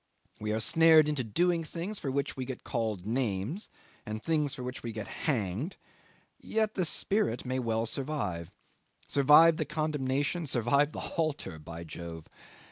We are snared into doing things for which we get called names, and things for which we get hanged, and yet the spirit may well survive survive the condemnation, survive the halter, by Jove!